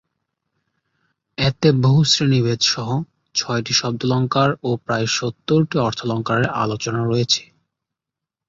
এতে বহু শ্রেণিভেদসহ ছয়টি শব্দালঙ্কার ও প্রায় সত্তরটি অর্থালঙ্কারের আলোচনা রয়েছে।